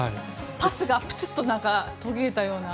パスがぷつっと途切れたような。